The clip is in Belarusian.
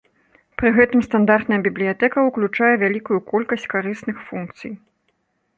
Пры гэтым стандартная бібліятэка ўключае вялікую колькасць карысных функцый.